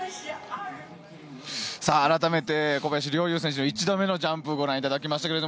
あらためて小林陵侑選手１度目のジャンプをご覧いただきました。